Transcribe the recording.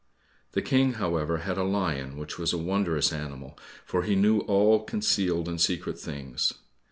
The King, however, had a lion which was a wondrous animal, for he knew all concealed and secret things.